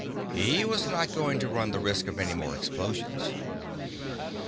He was not going to run the risk of any more explosions.